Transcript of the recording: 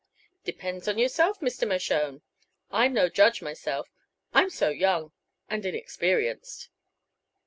"Depends on yourself, Mr. Mershone; I'm no judge, myself. I'm so young and inexperienced."